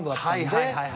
はいはい。